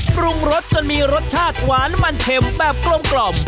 ปรุงรสจนมีรสชาติหวานมันเข็มแบบกลม